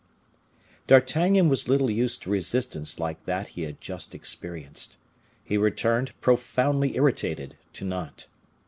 D'Artagnan was little used to resistance like that he had just experienced. He returned, profoundly irritated, to Nantes.